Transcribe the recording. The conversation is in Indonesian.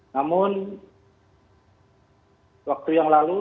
namun waktu yang lalu